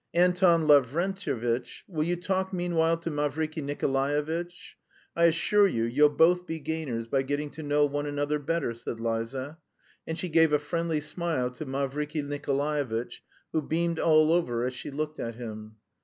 "Anton Lavrentyevitch, will you talk meanwhile to Mavriky Nikolaevitch; I assure you you'll both be gainers by getting to know one another better," said Liza, and she gave a friendly smile to Mavriky Nikolaevitch, who beamed all over as she looked at him.